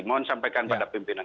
mohon sampaikan kepada pimpinan